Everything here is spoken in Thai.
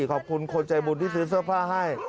ขอบคุณคนใจบุญที่ซื้อเสื้อผ้าให้